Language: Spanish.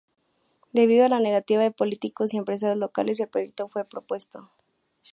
Debido a la negativa de políticos y empresarios locales, el proyecto fue pospuesto.